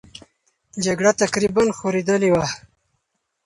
جګړه تقریبا خورېدلې وه.